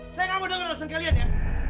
saya gak mau dengar rasanya kalian ya